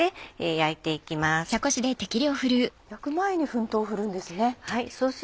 焼く前に粉糖を振るんですね。